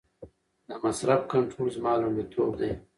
د مصرف کنټرول زما لومړیتوب دی.